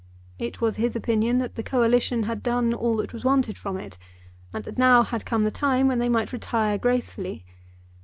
It was his opinion that the Coalition had done all that was wanted from it, and that now had come the time when they might retire gracefully.